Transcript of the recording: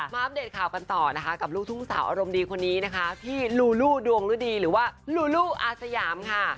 อัปเดตข่าวกันต่อนะคะกับลูกทุ่งสาวอารมณ์ดีคนนี้นะคะพี่ลูลูดวงฤดีหรือว่าลูลูอาสยามค่ะ